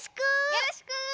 よろしく！